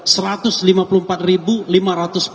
setelah tanggal dua puluh tujuh februari